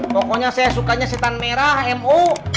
pokoknya saya sukanya setan merah mu